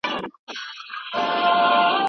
تا ته کابل او له کونړه ډک سیندونه درځي